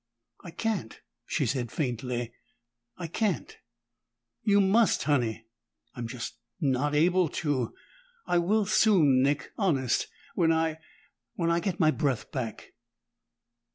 "I can't!" she said, faintly. "I can't!" "You must, Honey!" "I'm just not able to. I will soon, Nick honest. When I when I get my breath back."